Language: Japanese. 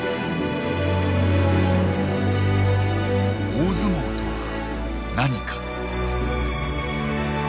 大相撲とは何か。